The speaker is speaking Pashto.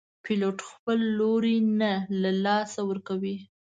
پیلوټ خپل لوری نه له لاسه ورکوي.